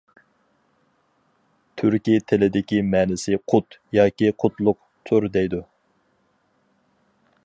تۈركىي تىلىدىكى مەنىسى «قۇت» ياكى «قۇتلۇق» تۇر دەيدۇ.